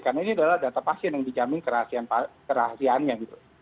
karena ini adalah data pasien yang dijamin kerahasiaannya